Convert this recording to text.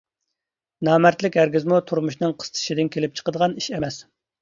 نامەردلىك ھەرگىزمۇ تۇرمۇشنىڭ قىستىشىدىن كېلىپ چىقىدىغان ئىش ئەمەس.